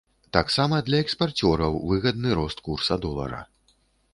Таксама для экспарцёраў выгадны рост курса долара.